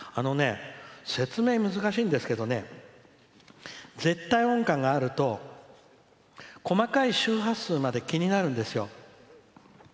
説明、難しいんですけど絶対音感があると細かい周波数まで気になるんですよ。